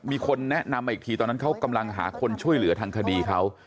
มีคนแนะนำมาอีกทีตอนนั้นเขากำลังหาคนช่วยเหลือทางคดีเขา